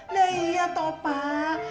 lah iya tuh pak